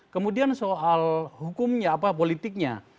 kemudian soal hukumnya apa politiknya